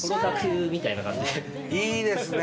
いいですね！